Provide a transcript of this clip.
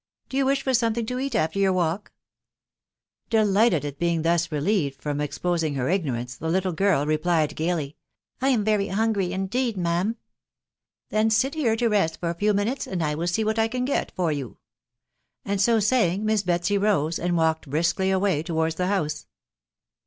.... do you wish for something to eat after your walk ?" Delighted at being thus relieved from exposing her igno rance, the little girl replied gaily, —" J am very hungry indeed, ma'am." tf Then sit here to rest for a few minutes, and I will see what I can get for you:" and so saying, Miss Betsy rose, and walked briskly away towards the house.